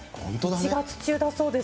１月中だそうです。